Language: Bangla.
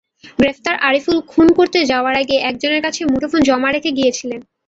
গ্রেপ্তার আরিফুল খুন করতে যাওয়ার আগে একজনের কাছে মুঠোফোন জমা রেখে গিয়েছিলেন।